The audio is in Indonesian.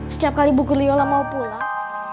setiap kali bu guru yola mau pulang